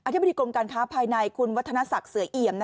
ธิบดีกรมการค้าภายในคุณวัฒนศักดิ์เสือเอี่ยม